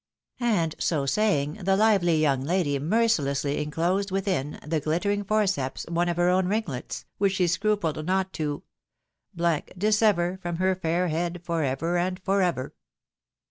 And so saying, the lively young lady mercilessly inclosed within "the glittering forceps" one of her own ringlets, which she scrupled not to , dissever From herJair head for ever and for aver.